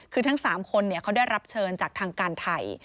คือทั้ง๓คนเขาได้รับเชิญจากทางการไทย